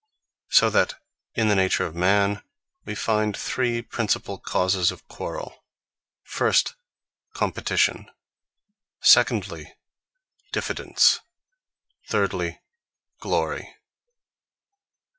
So that in the nature of man, we find three principall causes of quarrel. First, Competition; Secondly, Diffidence; Thirdly, Glory.